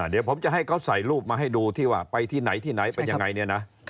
เดี๋ยวผมจะให้เขาใส่รูปมาให้ดูที่ว่าไปที่ไหนที่ไหนเป็นยังไงเนี่ยนะ